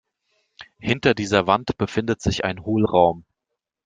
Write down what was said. Hinter dieser Wand befindet sich ein Hohlraum.